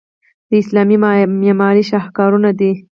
دا د اسلامي معمارۍ شاهکارونه دي.